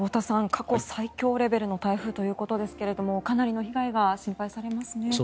過去最強レベルの台風ということですがかなりの被害が心配されますね。